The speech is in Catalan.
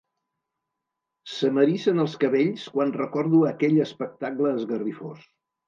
Se m'ericen els cabells quan recordo aquell espectacle esgarrifós.